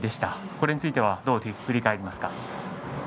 これについてはどう振り返りますか。